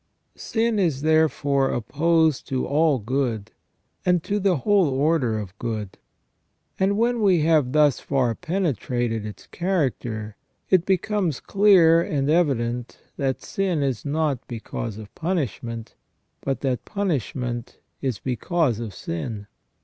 Sin is therefore opposed to all good, and to the whole order of good ; and when we have thus far penetrated its character, it becomes clear and evident that sin is not because of punishment, but that punishment is because of sin.